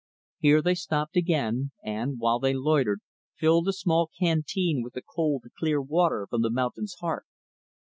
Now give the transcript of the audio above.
Here they stopped again and, while they loitered, filled a small canteen with the cold, clear water from the mountain's heart.